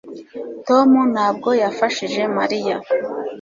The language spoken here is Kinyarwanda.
tom ntabwo yafashije mariya